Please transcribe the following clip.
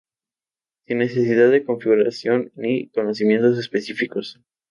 Sin necesidad de configuración ni conocimientos específicos.